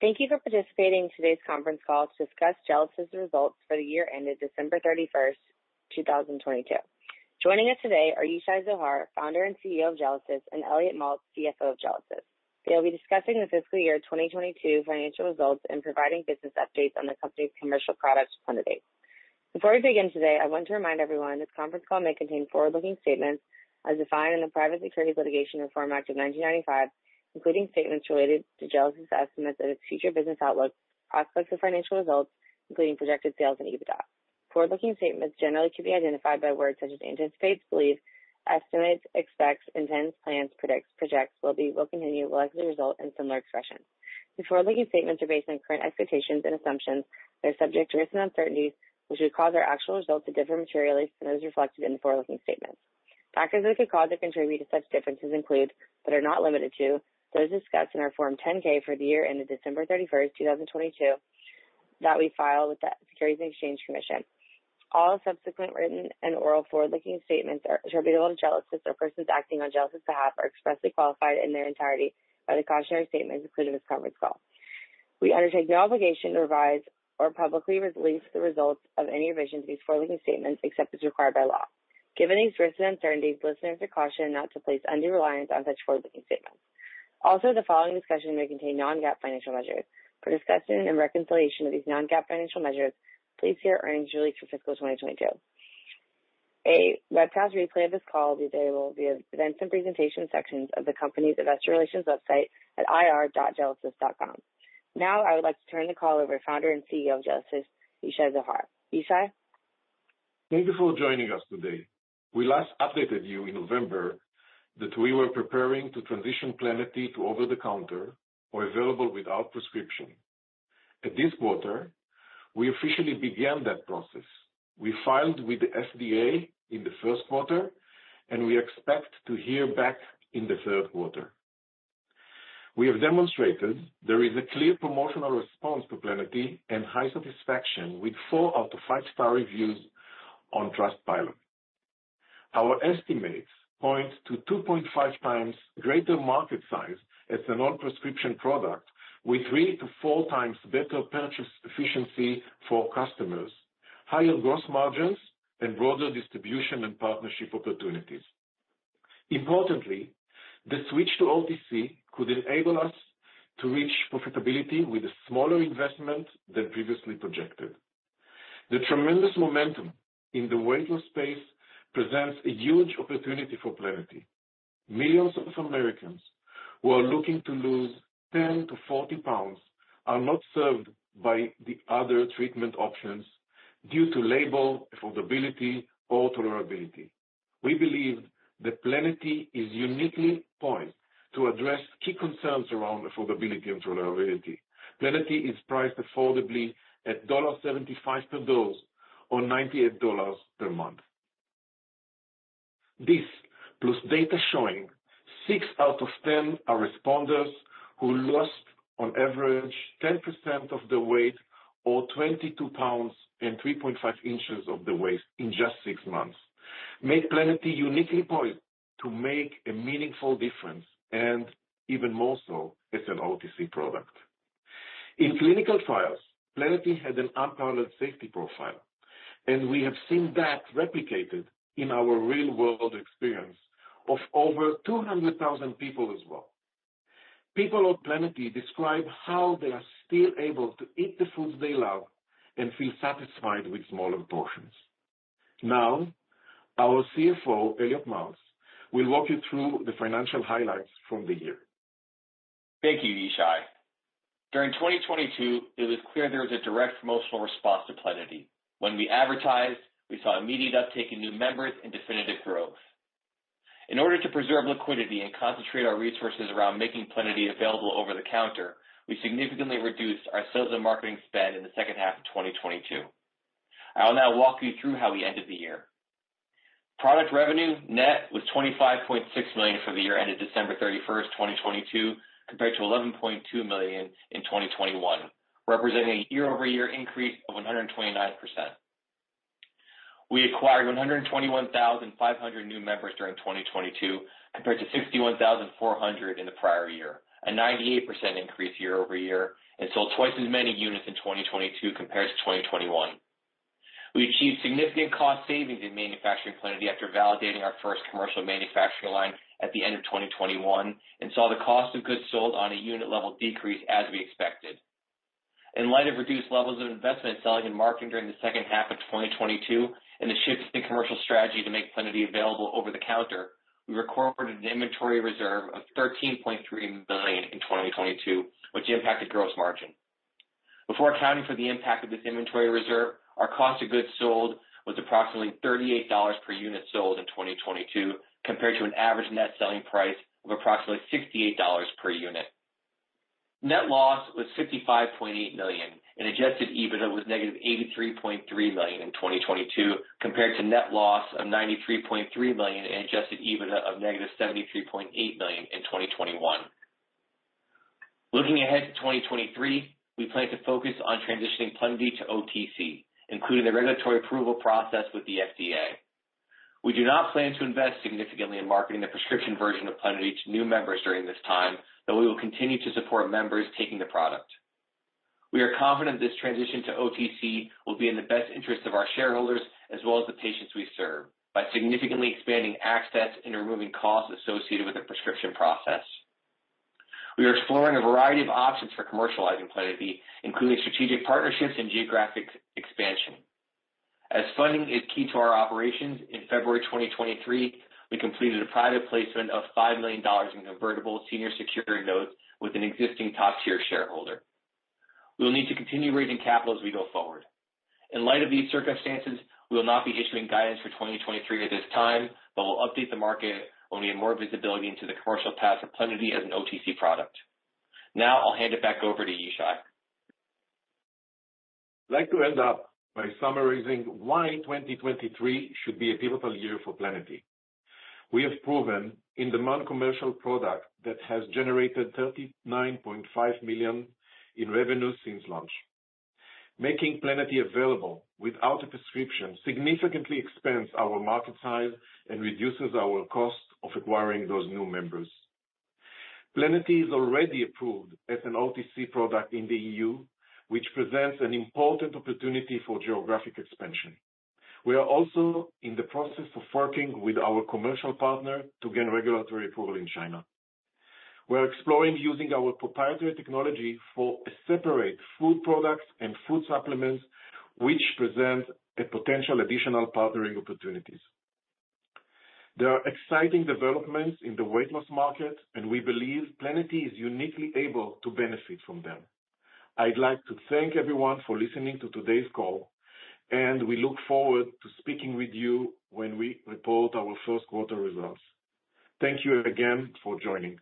Thank you for participating in today's conference call to discuss Gelesis' results for the year ended December 31st, 2022. Joining us today are Yishai Zohar, founder and CEO of Gelesis, and Elliot Maltz, CFO of Gelesis. They'll be discussing the fiscal year 2022 financial results and providing business updates on the company's commercial products, Plenity. Before we begin today, I want to remind everyone this conference call may contain forward-looking statements as defined in the Private Securities Litigation Reform Act of 1995, including statements related to Gelesis estimates and its future business outlook, prospects for financial results, including projected sales and EBITDA. Forward-looking statements generally can be identified by words such as anticipates, believes, estimates, expects, intends, plans, predicts, projects will likely result, and similar expressions. The forward-looking statements are based on current expectations and assumptions that are subject to risks and uncertainties which would cause our actual results to differ materially from those reflected in the forward-looking statements. Factors that could cause or contribute to such differences include, but are not limited to, those discussed in our Form 10-K for the year ended December 31, 2022 that we filed with the Securities and Exchange Commission. All subsequent written and oral forward-looking statements attributable to Gelesis or persons acting on Gelesis' behalf are expressly qualified in their entirety by the cautionary statements included in this conference call. We undertake no obligation to revise or publicly release the results of any revision to these forward-looking statements except as required by law. Given these risks and uncertainties, listeners are cautioned not to place undue reliance on such forward-looking statements. The following discussion may contain non-GAAP financial measures. For discussion and reconciliation of these non-GAAP financial measures, please see our earnings release for fiscal 2022. A webcast replay of this call will be available via Events and Presentation sections of the company's investor relations website at ir.gelesis.com. I would like to turn the call over Founder and CEO of Gelesis, Yishai Zohar. Yishai? Thank you for joining us today. I last updated you in November that we were preparing to transition Plenity to over-the-counter or available without prescription. At this quarter, we officially began that process. We filed with the FDA in the first quarter. We expect to hear back in the third quarter. We have demonstrated there is a clear promotional response to Plenity and high satisfaction with 4 out of 5-star reviews on Trustpilot. Our estimates point to 2.5x greater market size as a non-prescription product with 3x to 4x better purchase efficiency for customers, higher gross margins, and broader distribution and partnership opportunities. Importantly, the switch to OTC could enable us to reach profitability with a smaller investment than previously projected. The tremendous momentum in the weight loss space presents a huge opportunity for Plenity. Millions of Americans who are looking to lose 10-40 pounds are not served by the other treatment options due to label affordability or tolerability. We believe that Plenity is uniquely poised to address key concerns around affordability and tolerability. Plenity is priced affordably at $0.75 per dose or $98 per month. This plus data showing 6 out of 10 are responders who lost on average 10% of the weight or 22 pounds and 3.5 in of the waist in just 6 months, make Plenity uniquely poised to make a meaningful difference, and even more so as an OTC product. In clinical trials, Plenity had an unparalleled safety profile, and we have seen that replicated in our real-world experience of over 200,000 people as well. People on Plenity describe how they are still able to eat the foods they love and feel satisfied with smaller portions. Our CFO, Elliot Maltz, will walk you through the financial highlights from the year. Thank you, Yishai. During 2022, it was clear there was a direct promotional response to Plenity. When we advertised, we saw immediate uptake in new members and definitive growth. In order to preserve liquidity and concentrate our resources around making Plenity available over the counter, we significantly reduced our sales and marketing spend in the second half of 2022. I will now walk you through how we ended the year. Product revenue net was $25.6 million for the year ended December 31st, 2022, compared to $11.2 million in 2021, representing a year-over-year increase of 129%. We acquired 121,500 new members during 2022 compared to 61,400 in the prior year, a 98% increase year-over-year, and sold twice as many units in 2022 compared to 2021. We achieved significant cost savings in manufacturing Plenity after validating our first commercial manufacturing line at the end of 2021 and saw the cost of goods sold on a unit level decrease as we expected. In light of reduced levels of investment in selling and marketing during the second half of 2022 and the shift in commercial strategy to make Plenity available over the counter, we recorded an inventory reserve of $13.3 million in 2022, which impacted gross margin. Before accounting for the impact of this inventory reserve, our cost of goods sold was approximately $38 per unit sold in 2022 compared to an average net selling price of approximately $68 per unit. Net loss was $55.8 million. Adjusted EBITDA was negative $83.3 million in 2022 compared to net loss of $93.3 million and adjusted EBITDA of negative $73.8 million in 2021. Looking ahead to 2023, we plan to focus on transitioning Plenity to OTC, including the regulatory approval process with the FDA. We do not plan to invest significantly in marketing the prescription version of Plenity to new members during this time, but we will continue to support members taking the product. We are confident this transition to OTC will be in the best interest of our shareholders as well as the patients we serve by significantly expanding access and removing costs associated with the prescription process. We are exploring a variety of options for commercializing Plenity, including strategic partnerships and geographic expansion. As funding is key to our operations, in February 2023, we completed a private placement of $5 million in convertible senior secured notes with an existing top-tier shareholder. We will need to continue raising capital as we go forward. In light of these circumstances, we will not be issuing guidance for 2023 at this time, but we'll update the market when we have more visibility into the commercial path of Plenity as an OTC product. Now I'll hand it back over to Yishai. I'd like to end up by summarizing why 2023 should be a pivotal year for Plenity. We have proven in-demand commercial product that has generated $39.5 million in revenue since launch. Making Plenity available without a prescription significantly expands our market size and reduces our cost of acquiring those new members. Plenity is already approved as an OTC product in the EU, which presents an important opportunity for geographic expansion. We are also in the process of working with our commercial partner to gain regulatory approval in China. We're exploring using our proprietary technology for separate food products and food supplements, which present a potential additional partnering opportunities. There are exciting developments in the weight loss market, and we believe Plenity is uniquely able to benefit from them. I'd like to thank everyone for listening to today's call. We look forward to speaking with you when we report our first quarter results. Thank you again for joining.